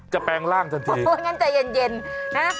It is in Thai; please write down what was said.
แปลงร่างทันทีโอ้ยงั้นใจเย็นนะ